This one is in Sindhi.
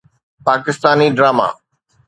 پاڪستاني ڊراما